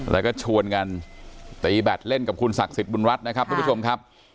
แล้วก็ชวนกันตีแบตเล่นกับคุณศักดิ์สิทธิบุญรัฐนะครับทุกผู้ชมครับ